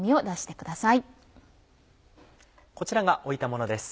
こちらが置いたものです。